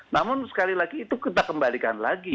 namun sekali lagi itu kita kembalikan lagi